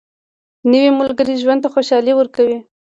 نوې ملګرې ژوند ته خوشالي ورکوي